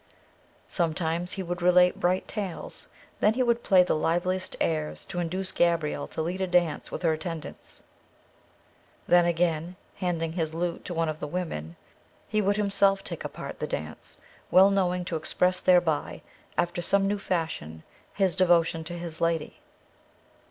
Sometimes he would relate bright tales; then he would play the liveliest airs to induce Gabrielle to lead a dance with her attendants; then, again, handing his lute to one of the women, he would himself take a part the dance, well knowing to express thereby after some new fashion his devotion to his lady.